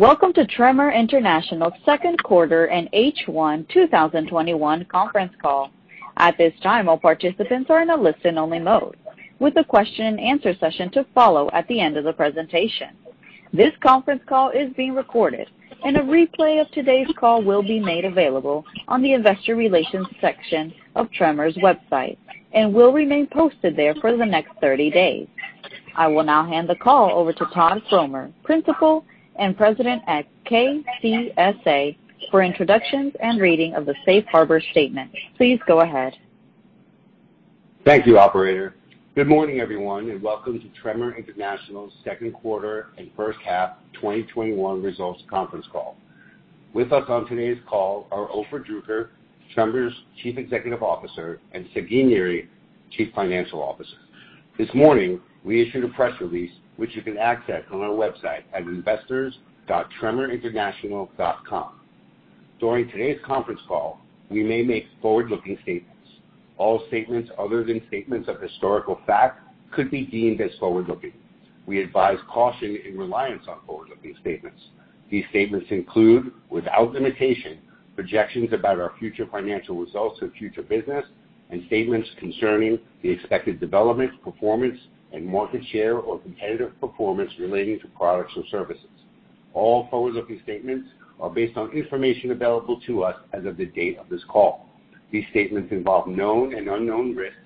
Welcome to Tremor International's second quarter and H1 2021 conference call. At this time, all participants are in a listen only mode with a question and answer session to follow at the end of the presentation. This conference call is being recorded, and a replay of today's call will be made available on the investor relations section of Tremor's website and will remain posted there for the next 30 days. I will now hand the call over to Todd Fromer, Principal and President at KCSA, for introductions and reading of the safe harbor statement. Please go ahead. Thank you, operator. Good morning, everyone, and welcome to Tremor International's second quarter and 1st half 2021 results conference call. With us on today's call are Ofer Druker, Tremor's Chief Executive Officer, and Sagi Niri, Chief Financial Officer. This morning, we issued a press release, which you can access on our website at investors.tremorinternational.com. During today's conference call, we may make forward-looking statements. All statements other than statements of historical fact could be deemed as forward-looking. We advise caution in reliance on forward-looking statements. These statements include, without limitation, projections about our future financial results or future business, and statements concerning the expected development, performance, and market share or competitive performance relating to products or services. All forward-looking statements are based on information available to us as of the date of this call. These statements involve known and unknown risks,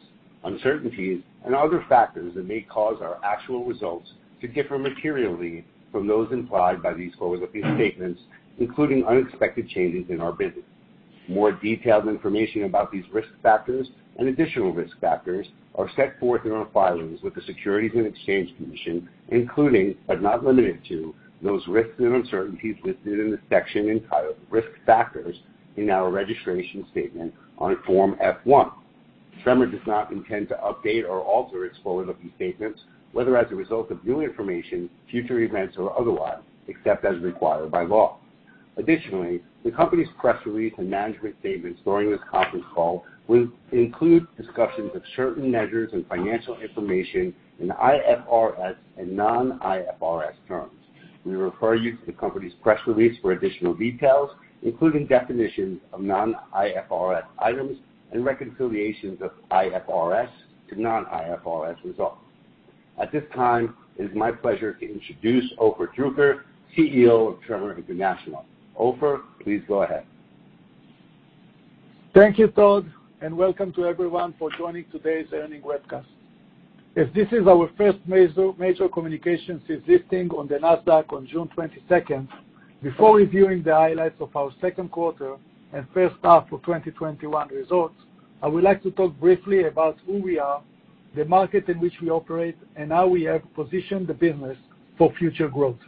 uncertainties, and other factors that may cause our actual results to differ materially from those implied by these forward-looking statements, including unexpected changes in our business. More detailed information about these risk factors and additional risk factors are set forth in our filings with the Securities and Exchange Commission, including, but not limited to, those risks and uncertainties listed in the section entitled Risk Factors in our registration statement on Form F-1. Tremor does not intend to update or alter its forward-looking statements, whether as a result of new information, future events, or otherwise, except as required by law. Additionally, the company's press release and management statements during this conference call will include discussions of certain measures and financial information in IFRS and non-IFRS terms. We refer you to the company's press release for additional details, including definitions of non-IFRS items and reconciliations of IFRS to non-IFRS results. At this time, it is my pleasure to introduce Ofer Druker, CEO of Tremor International. Ofer, please go ahead. Thank you, Todd, and welcome to everyone for joining today's earnings webcast. As this is our first major communications since listing on the Nasdaq on June 22nd, before reviewing the highlights of our second quarter and first half of 2021 results, I would like to talk briefly about who we are, the market in which we operate, and how we have positioned the business for future growth.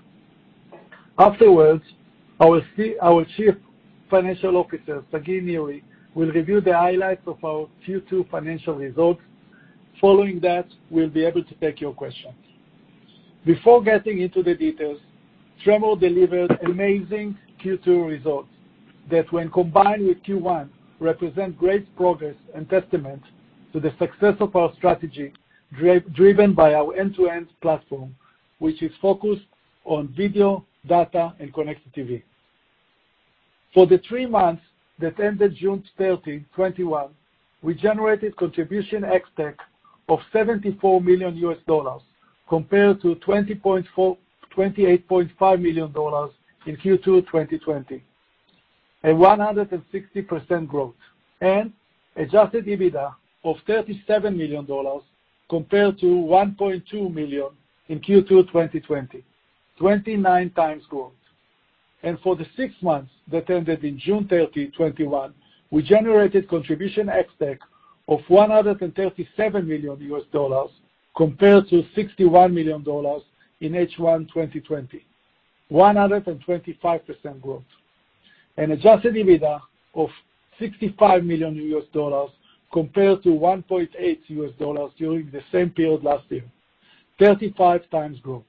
Afterwards, our Chief Financial Officer, Sagi Niri, will review the highlights of our Q2 financial results. Following that, we'll be able to take your questions. Before getting into the details, Tremor delivered amazing Q2 results that, when combined with Q1, represent great progress and testament to the success of our strategy driven by our end-to-end platform, which is focused on video, data, and connected TV. For the three months that ended June 30, 2021, we generated contribution ex-TAC of $74 million, compared to $28.5 million in Q2 2020, a 160% growth, and adjusted EBITDA of $37 million, compared to $1.2 million in Q2 2020, 29 times growth. For the six months that ended in June 30, 2021, we generated contribution ex-TAC of $137 million compared to $61 million in H1 2020, 125% growth, and adjusted EBITDA of $65 million compared to $1.8 million during the same period last year, 35 times growth.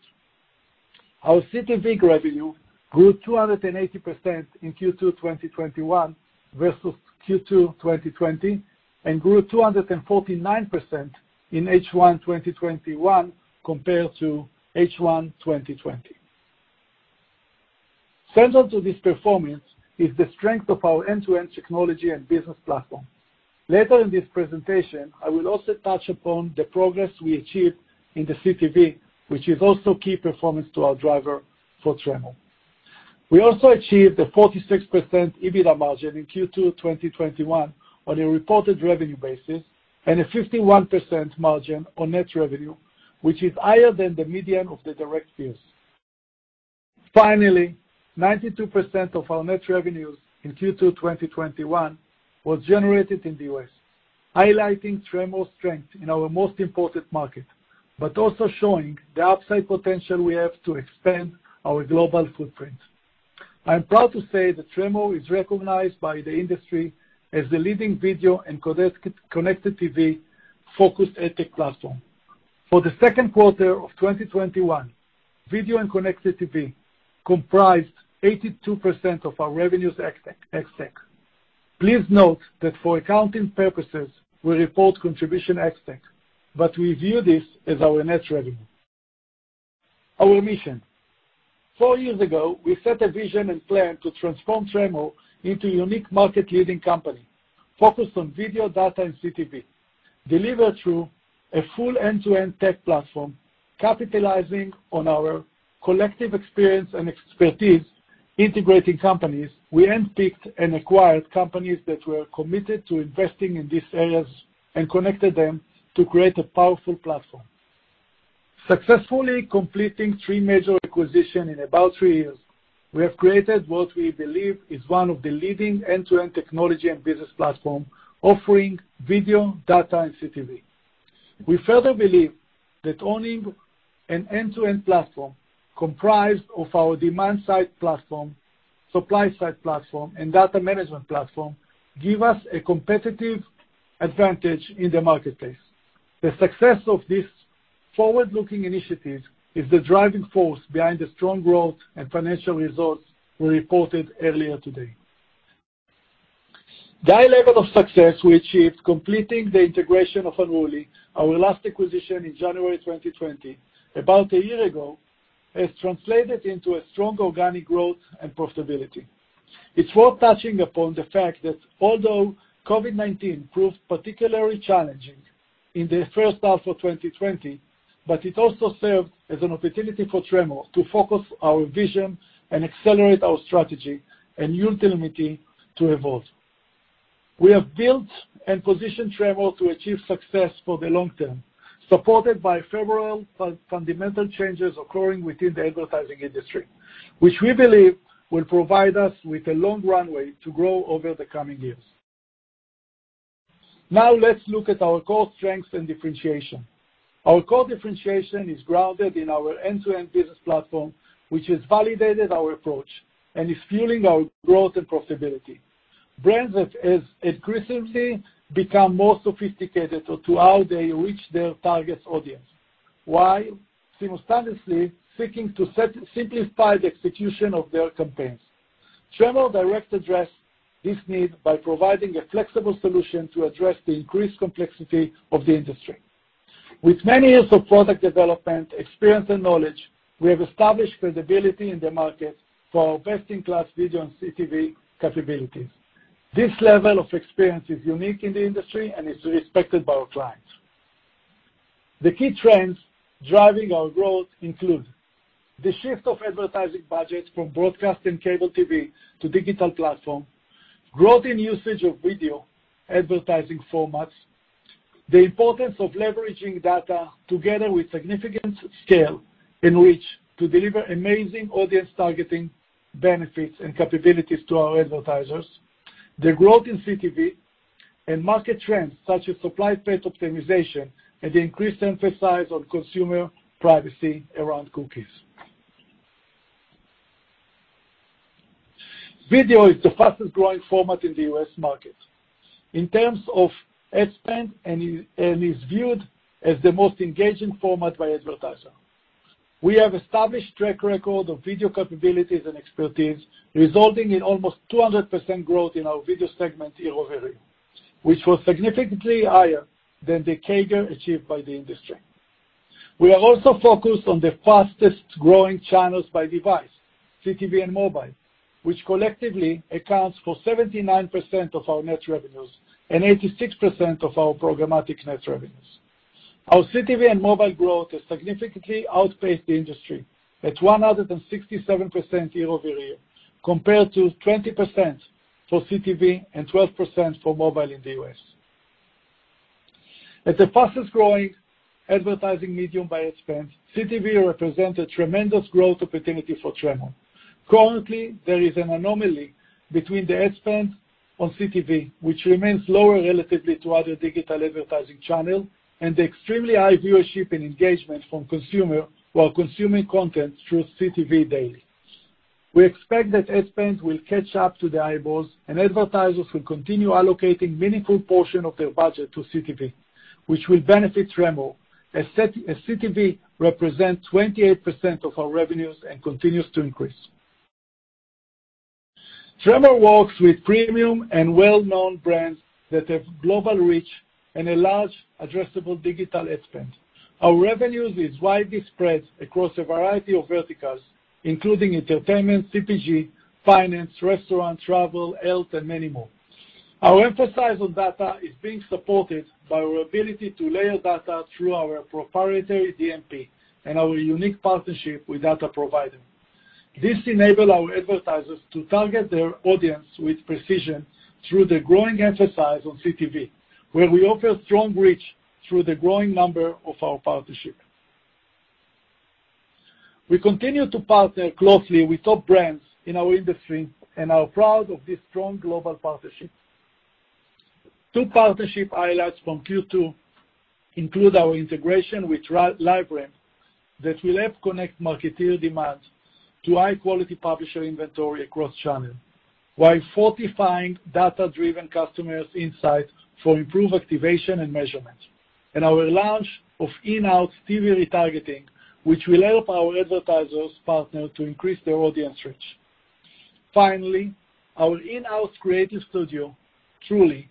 Our CTV revenue grew 280% in Q2 2021 versus Q2 2020, and grew 249% in H1 2021 compared to H1 2020. Central to this performance is the strength of our end-to-end technology and business platform. Later in this presentation, I will also touch upon the progress we achieved in the CTV, which is also key performance to our driver for Tremor. We also achieved a 46% EBITDA margin in Q2 2021 on a reported revenue basis, and a 51% margin on net revenue, which is higher than the median of the direct peers. Finally, 92% of our net revenues in Q2 2021 was generated in the U.S., highlighting Tremor's strength in our most important market, but also showing the upside potential we have to expand our global footprint. I am proud to say that Tremor is recognized by the industry as the leading video and connected TV focused ad tech platform. For the second quarter of 2021, video and connected TV comprised 82% of our revenues ex-TAC. Please note that for accounting purposes, we report contribution ex-TAC, but we view this as our net revenue. Our mission. Four years ago, we set a vision and plan to transform Tremor International into a unique market-leading company focused on video, data, and CTV, delivered through a full end-to-end tech platform, capitalizing on our collective experience and expertise integrating companies. We handpicked and acquired companies that were committed to investing in these areas and connected them to create a powerful platform. Successfully completing three major acquisitions in about three years, we have created what we believe is one of the leading end-to-end technology and business platforms offering video, data, and CTV. We further believe that owning an end-to-end platform comprised of our demand side platform, supply side platform, and data management platform gives us a competitive advantage in the marketplace. The success of these forward-looking initiatives is the driving force behind the strong growth and financial results we reported earlier today. The high level of success we achieved completing the integration of Unruly, our last acquisition in January 2020, about a year ago, has translated into a strong organic growth and profitability. It's worth touching upon the fact that although COVID-19 proved particularly challenging in the first half of 2020, it also served as an opportunity for Tremor to focus our vision and accelerate our strategy and ultimately to evolve. We have built and positioned Tremor to achieve success for the long term, supported by several fundamental changes occurring within the advertising industry, which we believe will provide us with a long runway to grow over the coming years. Now let's look at our core strengths and differentiation. Our core differentiation is grounded in our end-to-end business platform, which has validated our approach and is fueling our growth and profitability. Brands have increasingly become more sophisticated to how they reach their target audience, while simultaneously seeking to simplify the execution of their campaigns. Tremor directly addresses this need by providing a flexible solution to address the increased complexity of the industry. With many years of product development, experience, and knowledge, we have established credibility in the market for our best-in-class video and CTV capabilities. This level of experience is unique in the industry and is respected by our clients. The key trends driving our growth include the shift of advertising budgets from broadcast and cable TV to digital platforms, growth in usage of video advertising formats, the importance of leveraging data together with significant scale in which to deliver amazing audience targeting benefits and capabilities to our advertisers, the growth in CTV, and market trends such as supply path optimization, and the increased emphasis on consumer privacy around cookies. Video is the fastest-growing format in the U.S. market in terms of ad spend and is viewed as the most engaging format by advertisers. We have established a track record of video capabilities and expertise, resulting in almost 200% growth in our video segment year-over-year, which was significantly higher than the CAGR achieved by the industry. We are also focused on the fastest-growing channels by device, CTV and mobile, which collectively accounts for 79% of our net revenues and 86% of our programmatic net revenues. Our CTV and mobile growth has significantly outpaced the industry at 167% year-over-year compared to 20% for CTV and 12% for mobile in the U.S. As the fastest-growing advertising medium by ad spend, CTV represents a tremendous growth opportunity for Tremor. Currently, there is an anomaly between the ad spend on CTV, which remains lower relatively to other digital advertising channels, and the extremely high viewership and engagement from consumers while consuming content through CTV daily. We expect that ad spend will catch up to the eyeballs, and advertisers will continue allocating a meaningful portion of their budget to CTV, which will benefit Tremor, as CTV represents 28% of our revenues and continues to increase. Tremor works with premium and well-known brands that have global reach and a large addressable digital ad spend. Our revenues are widely spread across a variety of verticals, including entertainment, CPG, finance, restaurant, travel, health, and many more. Our emphasis on data is being supported by our ability to layer data through our proprietary DMP and our unique partnership with data providers. This enables our advertisers to target their audience with precision through the growing emphasis on CTV, where we offer strong reach through the growing number of our partnerships. We continue to partner closely with top brands in our industry and are proud of this strong global partnership. Two partnership highlights from Q2 include our integration with LiveRamp that will help connect marketer demands to high-quality publisher inventory across channels while fortifying data-driven customers' insights for improved activation and measurement. Our launch of in-house TV retargeting, which will help our advertisers partner to increase their audience reach. Finally, our in-house creative studio, Tr.ly,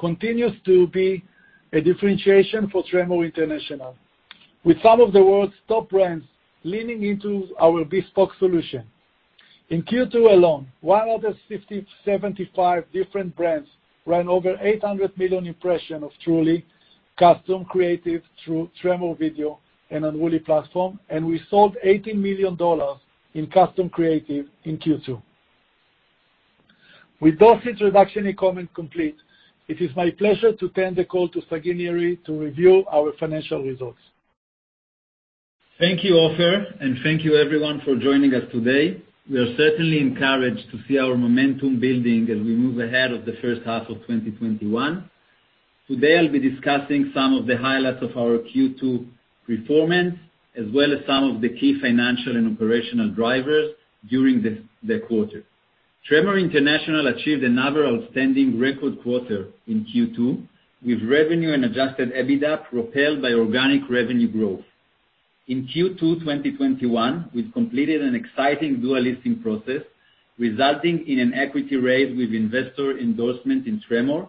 continues to be a differentiation for Tremor International. With some of the world's top brands leaning into our bespoke solution. In Q2 alone, 175 different brands ran over 800 million impression of Tr.ly custom creative through Tremor Video and Unruly platform, and we sold $18 million in custom creative in Q2. With those introductory comment complete, it is my pleasure to turn the call to Sagi Niri to review our financial results. Thank you, Ofer, and thank you everyone for joining us today. We are certainly encouraged to see our momentum building as we move ahead of the first half of 2021. Today, I'll be discussing some of the highlights of our Q2 performance, as well as some of the key financial and operational drivers during the quarter. Tremor International achieved another outstanding record quarter in Q2, with revenue and adjusted EBITDA propelled by organic revenue growth. In Q2 2021, we've completed an exciting dual listing process, resulting in an equity raise with investor endorsement in Tremor,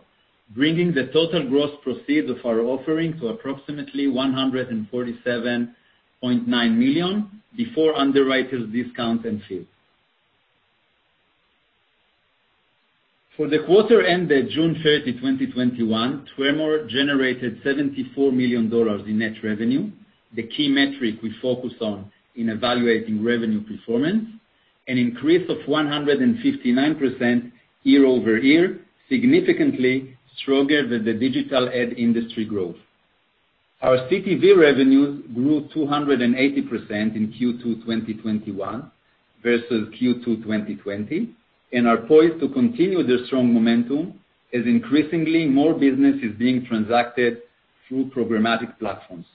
bringing the total gross proceeds of our offering to approximately $147.9 million before underwriter discount and fee. For the quarter ended June 30th, 2021, Tremor generated $74 million in net revenue, the key metric we focus on in evaluating revenue performance, an increase of 159% year-over-year, significantly stronger than the digital ad industry growth. Our CTV revenues grew 280% in Q2 2021 versus Q2 2020, and are poised to continue their strong momentum as increasingly more business is being transacted through programmatic platforms.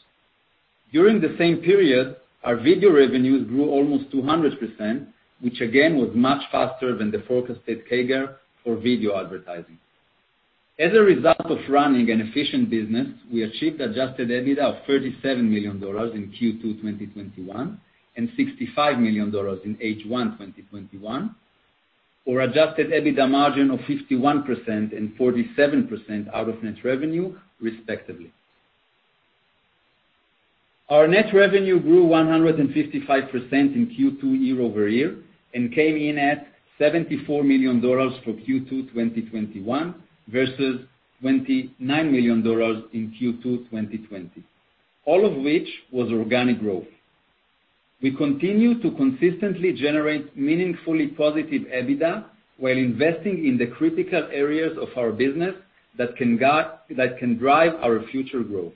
During the same period, our video revenues grew almost 200%, which again, was much faster than the forecasted CAGR for video advertising. As a result of running an efficient business, we achieved adjusted EBITDA of $37 million in Q2 2021, and $65 million in H1 2021, or adjusted EBITDA margin of 51% and 47% out of net revenue, respectively. Our net revenue grew 155% in Q2 year-over-year and came in at $74 million for Q2 2021 versus $29 million in Q2 2020, all of which was organic growth. We continue to consistently generate meaningfully positive EBITDA while investing in the critical areas of our business that can drive our future growth.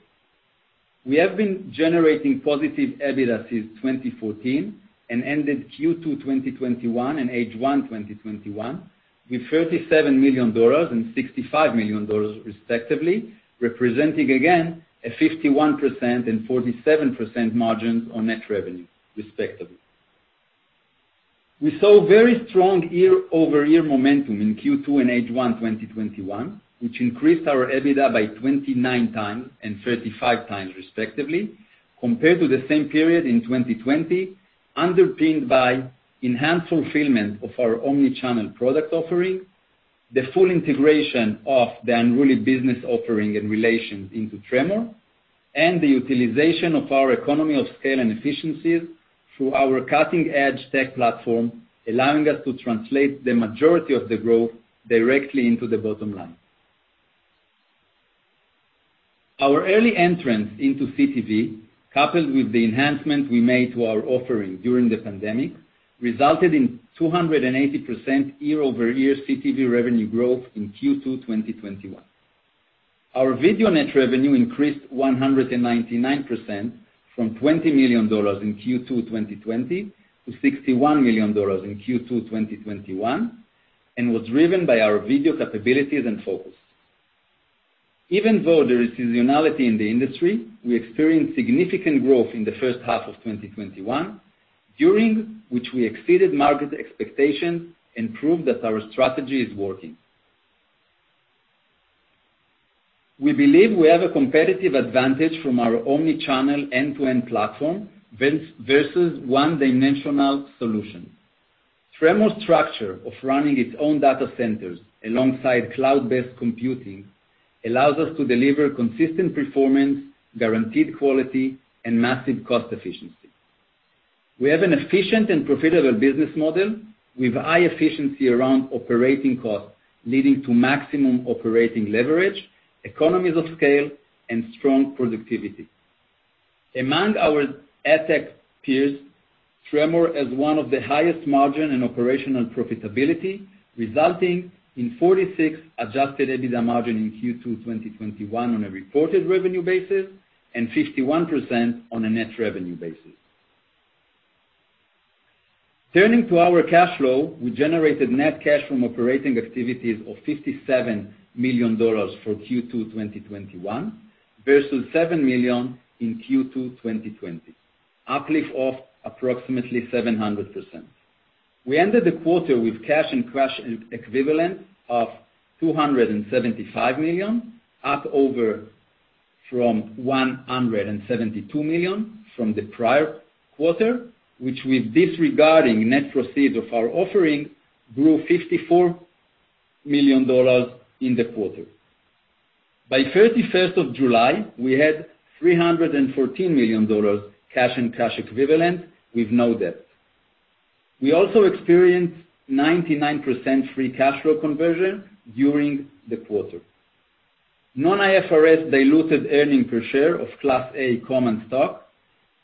We have been generating positive EBITDA since 2014 and ended Q2 2021 and H1 2021 with $37 million and $65 million respectively, representing again a 51% and 47% margins on net revenue, respectively. We saw very strong year-over-year momentum in Q2 and H1 2021, which increased our EBITDA by 29 times and 35 times, respectively, compared to the same period in 2020, underpinned by enhanced fulfillment of our omnichannel product offering, the full integration of the Unruly business offering and relations into Tremor, and the utilization of our economy of scale and efficiencies through our cutting-edge tech platform, allowing us to translate the majority of the growth directly into the bottom line. Our early entrance into CTV, coupled with the enhancement we made to our offering during the pandemic, resulted in 280% year-over-year CTV revenue growth in Q2 2021. Our video net revenue increased 199% from $20 million in Q2 2020 to $61 million in Q2 2021, and was driven by our video capabilities and focus. Even though there is seasonality in the industry, we experienced significant growth in the first half of 2021, during which we exceeded market expectations and proved that our strategy is working. We believe we have a competitive advantage from our omnichannel end-to-end platform versus one-dimensional solution. Tremor's structure of running its own data centers alongside cloud-based computing allows us to deliver consistent performance, guaranteed quality, and massive cost efficiency. We have an efficient and profitable business model with high efficiency around operating costs, leading to maximum operating leverage, economies of scale, and strong productivity. Among our AdTech peers, Tremor has one of the highest margin and operational profitability, resulting in 46% adjusted EBITDA margin in Q2 2021 on a reported revenue basis, and 51% on a net revenue basis. Turning to our cash flow, we generated net cash from operating activities of $57 million for Q2 2021 versus $7 million in Q2 2020, uplift of approximately 700%. We ended the quarter with cash and cash equivalents of $275 million, up over from $172 million from the prior quarter, which with disregarding net proceeds of our offering, grew $54 million in the quarter. By 31st of July, we had $314 million cash and cash equivalents with no debt. We also experienced 99% free cash flow conversion during the quarter. Non-IFRS diluted earning per share of Class A common stock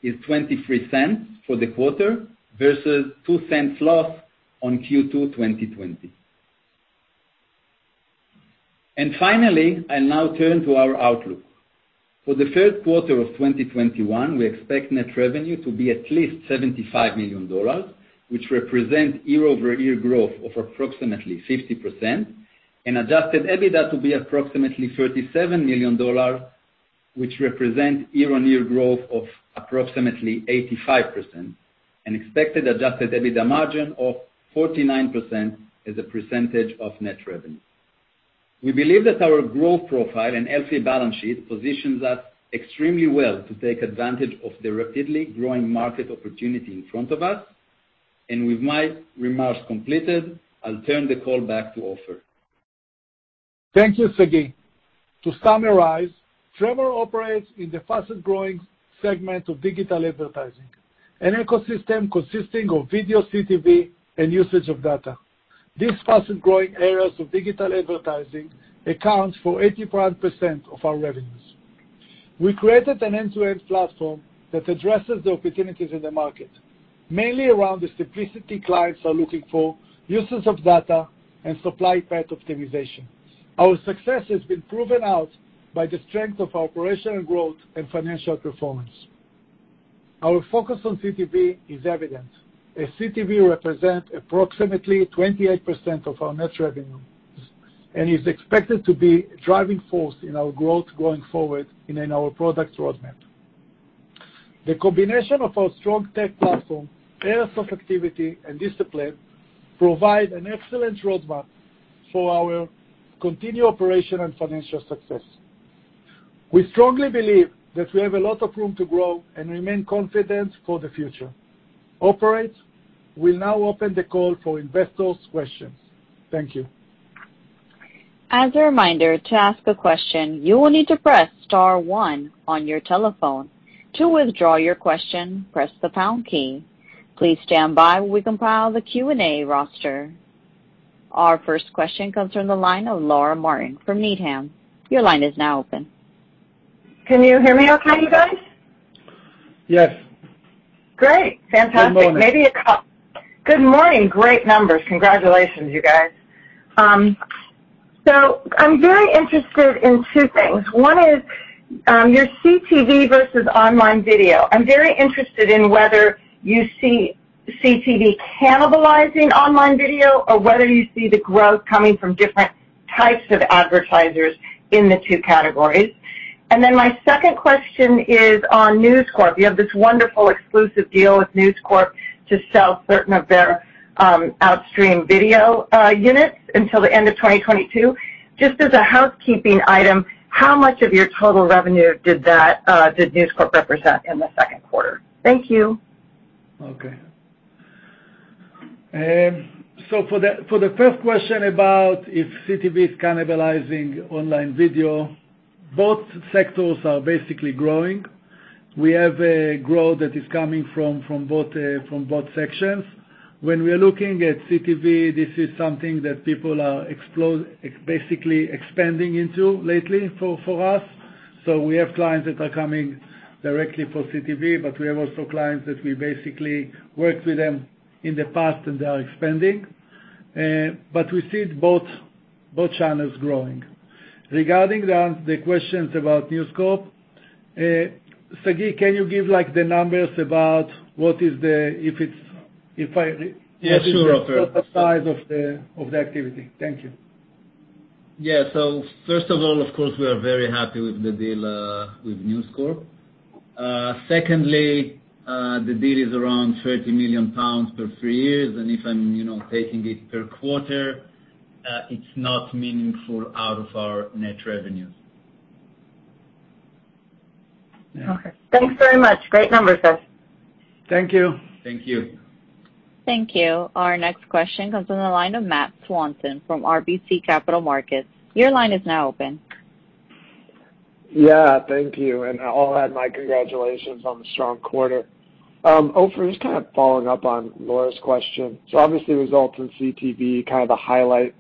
is $0.23 for the quarter versus $0.02 loss on Q2 2020. Finally, I'll now turn to our outlook. For the third quarter of 2021, we expect net revenue to be at least $75 million, which represent year-over-year growth of approximately 50%, and adjusted EBITDA to be approximately $37 million, which represent year-on-year growth of approximately 85%, and expected adjusted EBITDA margin of 49% as a percentage of net revenue. We believe that our growth profile and healthy balance sheet positions us extremely well to take advantage of the rapidly growing market opportunity in front of us. With my remarks completed, I'll turn the call back to Ofer. Thank you, Sagi. To summarize, Tremor operates in the fastest-growing segment of digital advertising, an ecosystem consisting of video, CTV, and usage of data. These fastest-growing areas of digital advertising accounts for 85% of our revenues. We created an end-to-end platform that addresses the opportunities in the market, mainly around the simplicity clients are looking for, usage of data, and supply path optimization. Our success has been proven out by the strength of our operational growth and financial performance. Our focus on CTV is evident, as CTV represent approximately 28% of our net revenues, and is expected to be a driving force in our growth going forward and in our product roadmap. The combination of our strong tech platform, areas of activity, and discipline provide an excellent roadmap for our continued operation and financial success. We strongly believe that we have a lot of room to grow and remain confident for the future. Operator, we will now open the call for investors' questions. Thank you. As a reminder, to ask a question, you will need to press star one on your telephone. To withdraw your question, press the pound key. Please stand by while we compile the Q&A roster. Our first question comes from the line of Laura Martin from Needham. Your line is now open. Can you hear me okay, you guys? Yes. Great. Fantastic. Good morning. Good morning. Great numbers. Congratulations, you guys. I'm very interested in two things. One is your CTV versus online video. I'm very interested in whether you see CTV cannibalizing online video or whether you see the growth coming from different types of advertisers in the two categories. My second question is on News Corp. You have this wonderful exclusive deal with News Corp to sell certain of their outstream video units until the end of 2022. Just as a housekeeping item, how much of your total revenue did News Corp represent in the second quarter? Thank you. Okay. For the first question about if CTV is cannibalizing online video, both sectors are basically growing. We have a growth that is coming from both sections. When we're looking at CTV, this is something that people are basically expanding into lately for us. We have clients that are coming directly for CTV, but we have also clients that we basically worked with them in the past, and they are expanding. We see both channels growing. Regarding the questions about News Corp, Sagi, can you give the numbers about what is the- Yeah, sure, Ofer. size of the activity? Thank you. First of all, of course, we are very happy with the deal with News Corp. Secondly, the deal is around 30 million pounds per three years, and if I'm taking it per quarter, it's not meaningful out of our net revenues. Yeah. Okay. Thanks very much. Great numbers, guys. Thank you. Thank you. Thank you. Our next question comes from the line of Matt Swanson from RBC Capital Markets. Your line is now open. Thank you, and I'll add my congratulations on the strong quarter. Ofer, just kind of following up on Laura's question. Obviously results in CTV, kind of a highlight.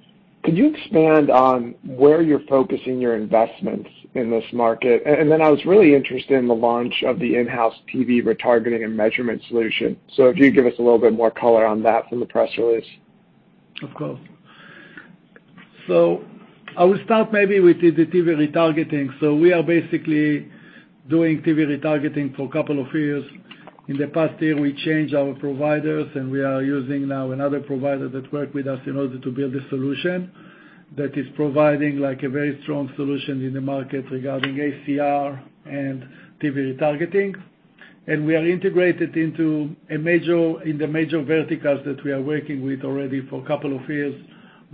Could you expand on where you're focusing your investments in this market? I was really interested in the launch of the in-house TV retargeting and measurement solution. If you could give us a little bit more color on that from the press release. Of course. I will start maybe with the TV retargeting. We are basically doing TV retargeting for a couple of years. In the past year, we changed our providers, and we are using now another provider that work with us in order to build a solution that is providing a very strong solution in the market regarding ACR and TV retargeting. We are integrated in the major verticals that we are working with already for a couple of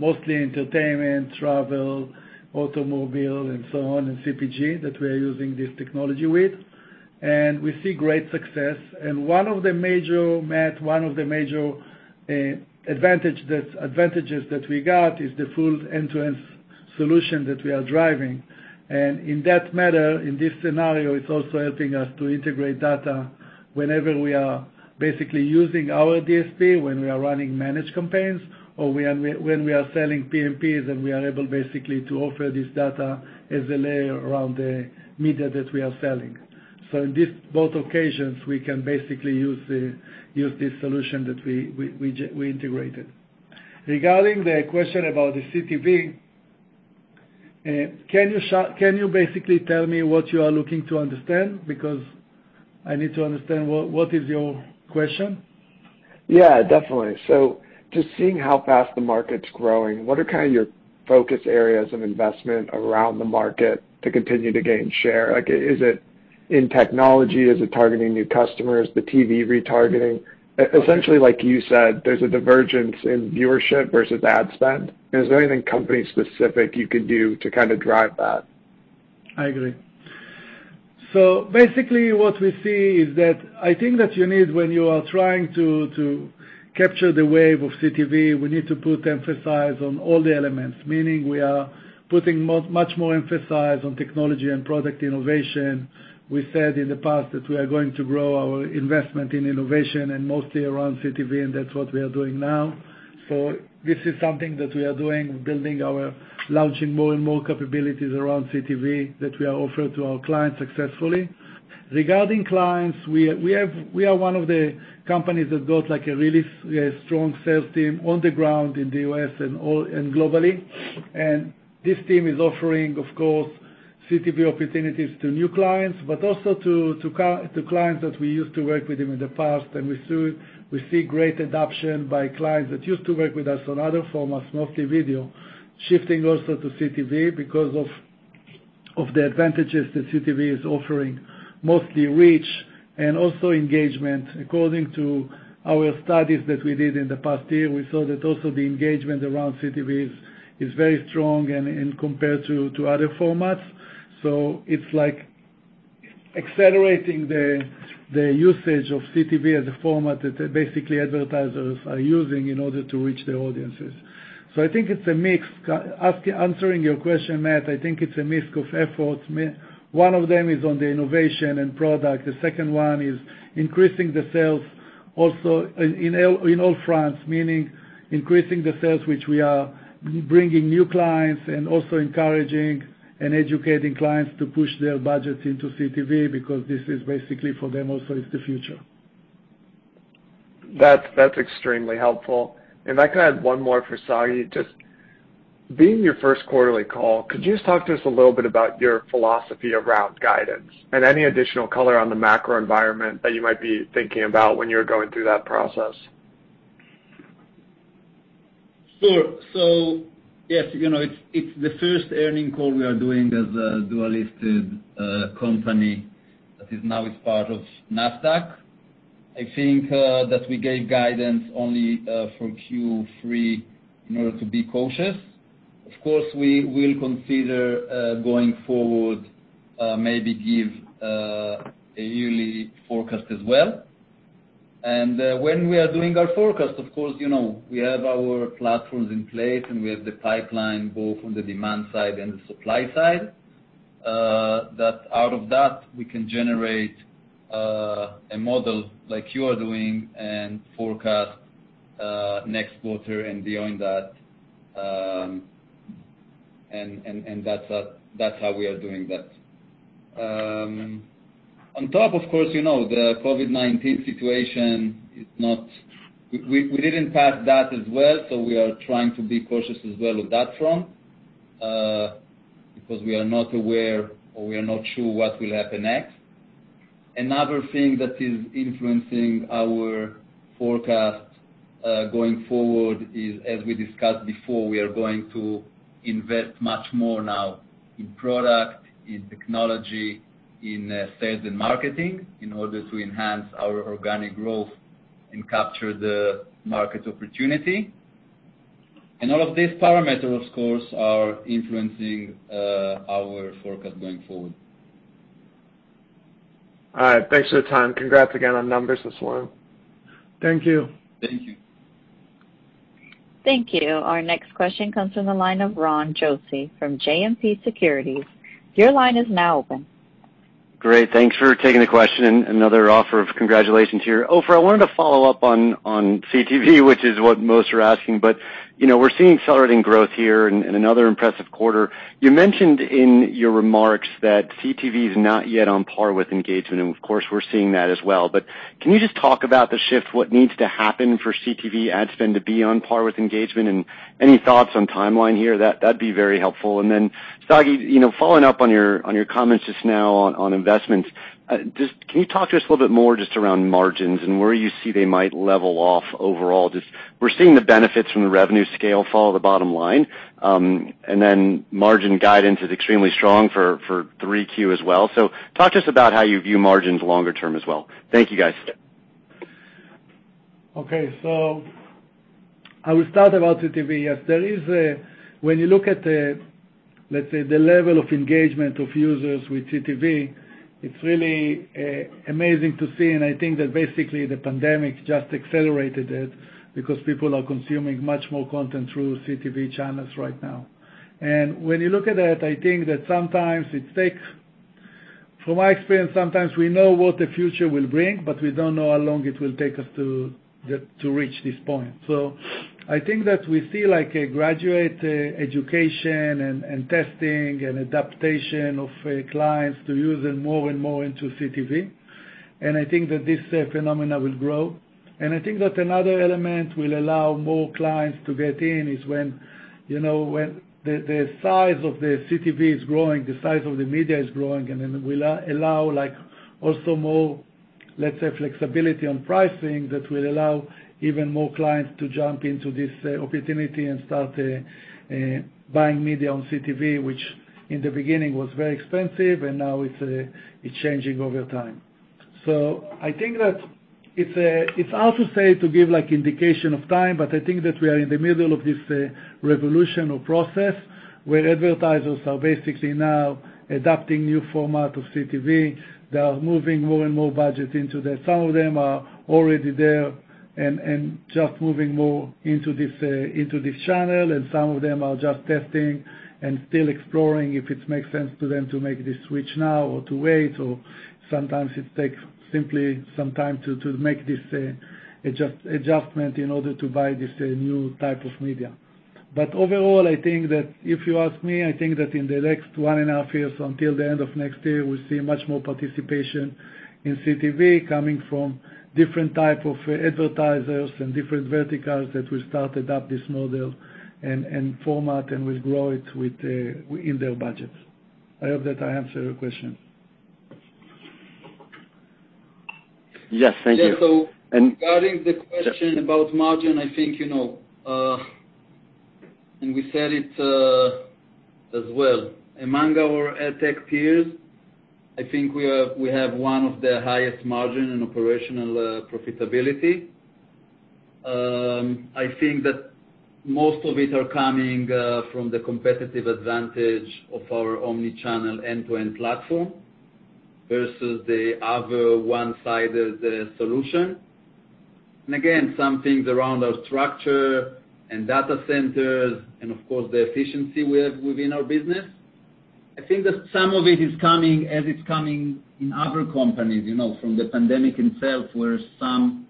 years, mostly entertainment, travel, automobile, and so on, and CPG, that we are using this technology with. We see great success. Matt, one of the major advantages that we got is the full end-to-end solution that we are driving. In that matter, in this scenario, it's also helping us to integrate data whenever we are basically using our DSP, when we are running managed campaigns, or when we are selling PMPs, and we are able, basically, to offer this data as a layer around the media that we are selling. In both occasions, we can basically use the solution that we integrated. Regarding the question about the CTV, can you basically tell me what you are looking to understand? Because I need to understand what is your question. Yeah, definitely. Just seeing how fast the market's growing, what are your focus areas of investment around the market to continue to gain share? Is it in technology? Is it targeting new customers, the TV retargeting? Essentially, like you said, there's a divergence in viewership versus ad spend. Is there anything company specific you can do to drive that? I agree. Basically, what we see is that I think that you need, when you are trying to capture the wave of CTV, we need to put emphasis on all the elements. Meaning we are putting much more emphasis on technology and product innovation. We said in the past that we are going to grow our investment in innovation and mostly around CTV, and that's what we are doing now. This is something that we are doing, Launching more and more capabilities around CTV that we are offering to our clients successfully. Regarding clients, we are one of the companies that got a really strong sales team on the ground in the U.S. and globally. This team is offering, of course, CTV opportunities to new clients, but also to clients that we used to work with in the past. We see great adoption by clients that used to work with us on other formats, mostly video, shifting also to CTV because of the advantages that CTV is offering, mostly reach and also engagement. According to our studies that we did in the past year, we saw that also the engagement around CTV is very strong and compared to other formats. It's like accelerating the usage of CTV as a format that basically advertisers are using in order to reach their audiences. I think it's a mix. Answering your question, Matt, I think it's a mix of efforts. One of them is on the innovation and product. The second one is increasing the sales also in all fronts, meaning increasing the sales, which we are bringing new clients and also encouraging and educating clients to push their budgets into CTV because this is basically for them also is the future. That's extremely helpful. If I could add one more for Sagi. Just being your first quarterly call, could you just talk to us a little bit about your philosophy around guidance and any additional color on the macro environment that you might be thinking about when you're going through that process? Yes, it's the first earnings call we are doing as a dual listed company that is now is part of Nasdaq. I think that we gave guidance only for Q3 in order to be cautious. Of course, we will consider going forward, maybe give a yearly forecast as well. When we are doing our forecast, of course, we have our platforms in place, and we have the pipeline both on the demand side and the supply side. That out of that we can generate a model like you are doing and forecast next quarter and beyond that. That's how we are doing that. On top, of course, the COVID-19 situation, we didn't pass that as well, we are trying to be cautious as well of that front, because we are not aware, or we are not sure what will happen next. Another thing that is influencing our forecast going forward is, as we discussed before, we are going to invest much more now in product, in technology, in sales and marketing in order to enhance our organic growth and capture the market opportunity. All of these parameters, of course, are influencing our forecast going forward. All right. Thanks for the time. Congrats again on numbers this morning. Thank you. Thank you. Thank you. Our next question comes from the line of Ron Josey from JMP Securities. Your line is now open. Great. Thanks for taking the question and another offer of congratulations here. Ofer, I wanted to follow up on CTV, which is what most are asking. We're seeing accelerating growth here and another impressive quarter. You mentioned in your remarks that CTV is not yet on par with engagement, and of course, we're seeing that as well. Can you just talk about the shift, what needs to happen for CTV ad spend to be on par with engagement, and any thoughts on timeline here? That'd be very helpful. Sagi, following up on your comments just now on investments. Can you talk to us a little bit more just around margins and where you see they might level off overall? Just we're seeing the benefits from the revenue scale fall at the bottom line, and then margin guidance is extremely strong for 3Q as well. Talk to us about how you view margins longer term as well. Thank you, guys. Okay. I will start about CTV. When you look at, let's say, the level of engagement of users with CTV, it's really amazing to see, and I think that basically the pandemic just accelerated it because people are consuming much more content through CTV channels right now. When you look at that, I think that from my experience, sometimes we know what the future will bring, but we don't know how long it will take us to reach this point. I think that we see a gradual education and testing and adaptation of clients to using more and more into CTV, and I think that this phenomenon will grow. I think that another element will allow more clients to get in is when the size of the CTV is growing, the size of the media is growing, and it will allow also more, let's say, flexibility on pricing that will allow even more clients to jump into this opportunity and start buying media on CTV, which in the beginning was very expensive, and now it's changing over time. I think that it's hard to say, to give indication of time, but I think that we are in the middle of this revolution or process where advertisers are basically now adapting new format of CTV. They are moving more and more budget into that. Some of them are already there and just moving more into this channel, and some of them are just testing and still exploring if it makes sense to them to make the switch now or to wait, or sometimes it takes simply some time to make this adjustment in order to buy this new type of media. Overall, I think that if you ask me, I think that in the next 1.5 years, until the end of next year, we'll see much more participation in CTV coming from different type of advertisers and different verticals that will start adopt this model and format and will grow it in their budgets. I hope that I answered your question. Yes. Thank you. Yeah. Regarding the question about margin, I think, and we said it as well, among our AdTech peers, I think we have one of the highest margin in operational profitability. I think that most of it are coming from the competitive advantage of our omnichannel end-to-end platform versus the other one-sided solution. Again, some things around our structure and data centers and, of course, the efficiency within our business. I think that some of it is coming as it's coming in other companies, from the pandemic itself, where some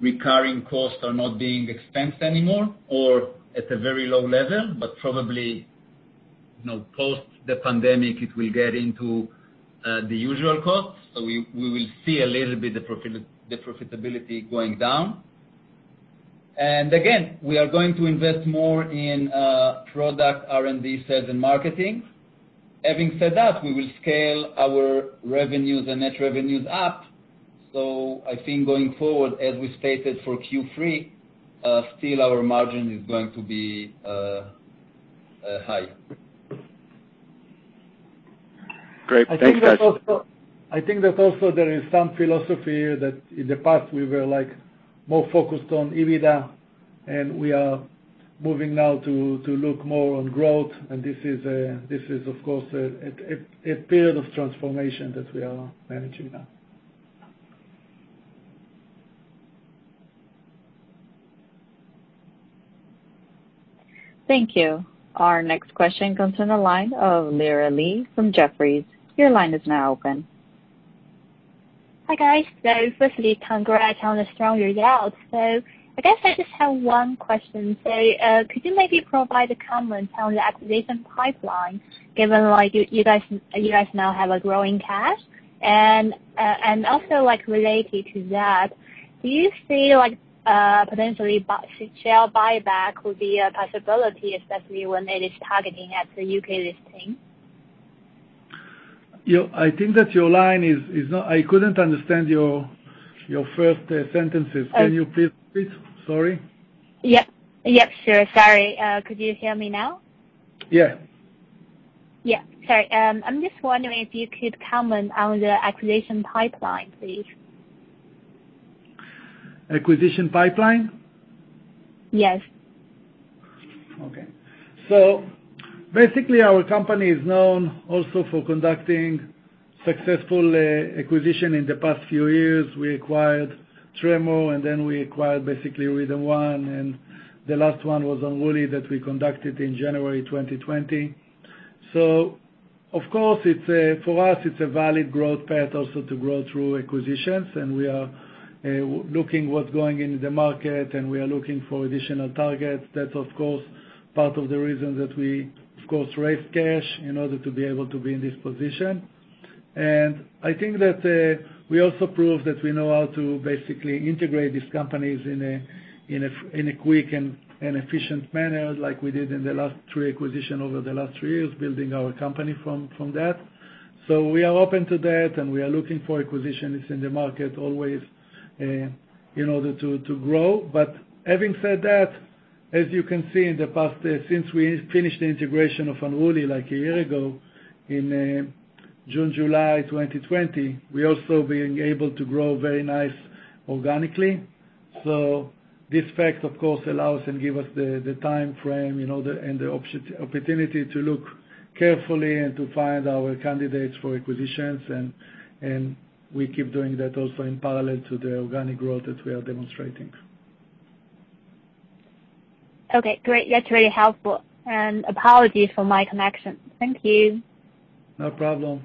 recurring costs are not being expensed anymore or at a very low level. Probably, post the pandemic, it will get into the usual cost. We will see a little bit the profitability going down. Again, we are going to invest more in product R&D, sales, and marketing. Having said that, we will scale our revenues and net revenues up. I think going forward, as we stated for Q3, still our margin is going to be high. Great. Thanks, guys. I think that also there is some philosophy that in the past we were more focused on EBITDA. We are moving now to look more on growth. This is, of course, a period of transformation that we are managing now. Thank you. Our next question comes on the line of Lara Lee from Jefferies. Your line is now open. Hi, guys. Firstly, congrats on the strong results. I guess I just have one question. Could you maybe provide a comment on the acquisition pipeline, given you guys now have a growing cash? Also related to that, do you see potentially share buyback would be a possibility, especially when it is targeting at the U.K. listing? I couldn't understand your first sentences. Can you please repeat? Sorry. Yep. Sure. Sorry. Could you hear me now? Yeah. Yeah. Sorry. I'm just wondering if you could comment on the acquisition pipeline, please. Acquisition pipeline? Yes. Basically, our company is known also for conducting successful acquisition in the past few years. We acquired Tremor, we acquired basically RhythmOne, the last one was Unruly that we conducted in January 2020. Of course, for us, it's a valid growth path also to grow through acquisitions, we are looking what's going in the market, we are looking for additional targets. That's of course, part of the reason that we, of course, raised cash in order to be able to be in this position. I think that we also proved that we know how to basically integrate these companies in a quick and efficient manner like we did in the last three acquisitions over the last three years, building our company from that. We are open to that, and we are looking for acquisitions in the market always in order to grow. Having said that, as you can see in the past, since we finished the integration of Unruly like a year ago June, July 2020, we're also being able to grow very nice organically. This fact, of course, allows and gives us the timeframe, and the opportunity to look carefully and to find our candidates for acquisitions, and we keep doing that also in parallel to the organic growth that we are demonstrating. Okay, great. That's really helpful. Apologies for my connection. Thank you. No problem.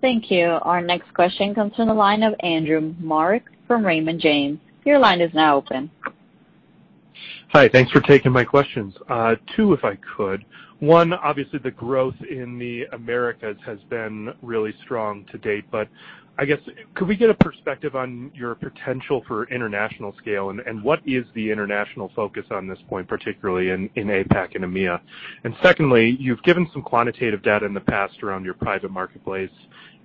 Thank you. Our next question comes from the line of Andrew Marok from Raymond James. Your line is now open. Hi, thanks for taking my questions. Two, if I could. One, obviously, the growth in the Americas has been really strong to date, I guess, could we get a perspective on your potential for international scale, and what is the international focus on this point, particularly in APAC and EMEA? Secondly, you've given some quantitative data in the past around your Private Marketplace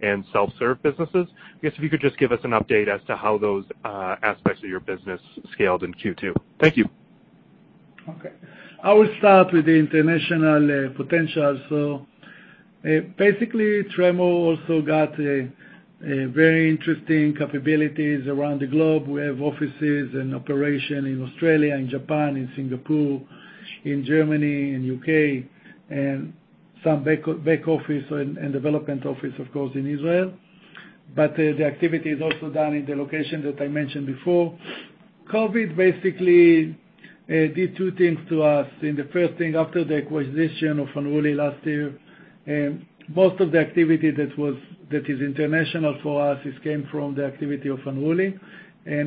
and self-serve businesses. I guess if you could just give us an update as to how those aspects of your business scaled in Q2. Thank you. I will start with the international potential. Basically, Tremor also got a very interesting capabilities around the globe. We have offices and operation in Australia, in Japan, in Singapore, in Germany, in U.K., and some back office and development office, of course, in Israel. The activity is also done in the location that I mentioned before. COVID basically did two things to us. In the first thing, after the acquisition of Unruly last year, most of the activity that is international for us, it came from the activity of Unruly.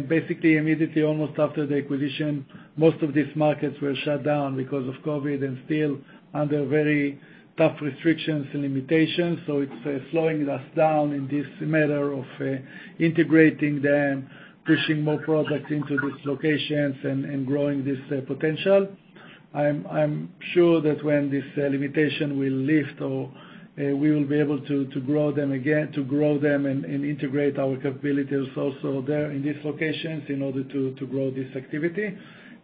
Basically, immediately, almost after the acquisition, most of these markets were shut down because of COVID and still under very tough restrictions and limitations. It's slowing us down in this matter of integrating them, pushing more products into these locations and growing this potential. I'm sure that when this limitation will lift or we will be able to grow them and integrate our capabilities also there in these locations in order to grow this activity.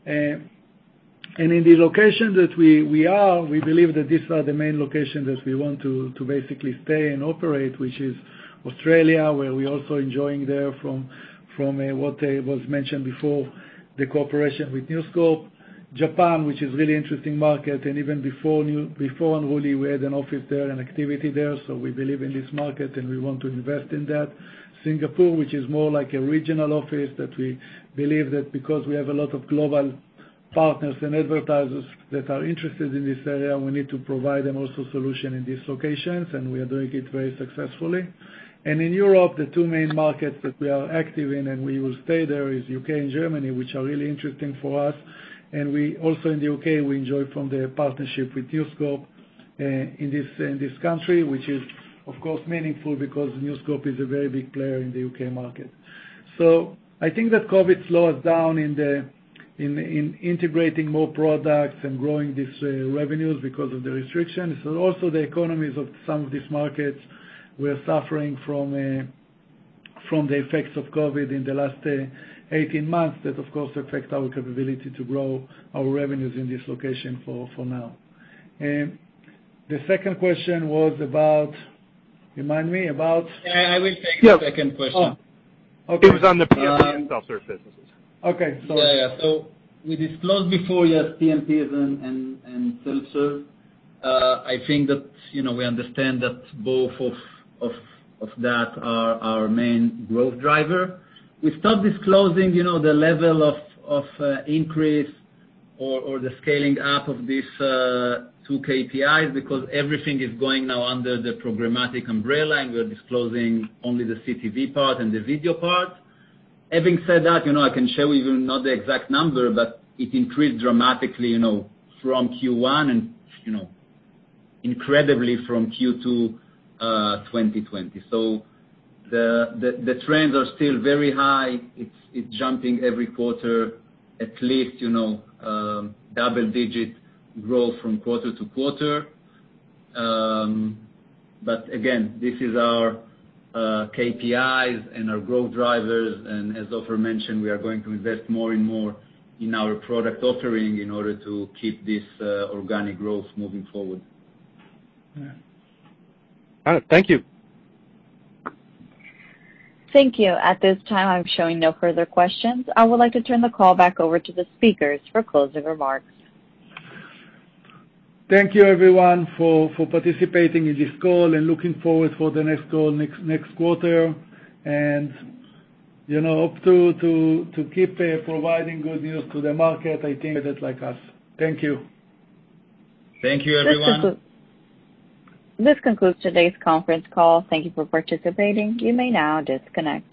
In the locations that we are, we believe that these are the main locations that we want to basically stay and operate, which is Australia, where we're also enjoying there from what was mentioned before, the cooperation with News Corp. Japan, which is really interesting market, even before Unruly, we had an office there and activity there. We believe in this market and we want to invest in that. Singapore, which is more like a regional office that we believe that because we have a lot of global partners and advertisers that are interested in this area, we need to provide them also solution in these locations. We are doing it very successfully. In Europe, the two main markets that we are active in and we will stay there is U.K. and Germany, which are really interesting for us. We also in the U.K., we enjoy from the partnership with News Corp in this country, which is, of course, meaningful because News Corp is a very big player in the U.K. market. I think that COVID slowed us down in integrating more products and growing these revenues because of the restrictions, but also the economies of some of these markets were suffering from the effects of COVID in the last 18 months. That, of course, affect our capability to grow our revenues in this location for now. The second question was about? Remind me. About? Yeah, I will take the second question. Oh, okay. It was on the PMP and self-serve businesses. Okay. We disclosed before you have PMPs and self-serve. I think that we understand that both of that are our main growth driver. We stopped disclosing the level of increase or the scaling up of these two KPIs because everything is going now under the programmatic umbrella, and we are disclosing only the CTV part and the video part. Having said that, I can share with you not the exact number, but it increased dramatically from Q1 and incredibly from Q2 2020. The trends are still very high. It's jumping every quarter, at least double-digit growth from quarter to quarter. This is our KPIs and our growth drivers, and as Ofer mentioned, we are going to invest more and more in our product offering in order to keep this organic growth moving forward. All right. Thank you. Thank you. At this time, I'm showing no further questions. I would like to turn the call back over to the speakers for closing remarks. Thank you everyone for participating in this call, and looking forward for the next call next quarter. Hope to keep providing good news to the market, I think, that like us. Thank you. Thank you, everyone. This concludes today's conference call. Thank you for participating. You may now disconnect.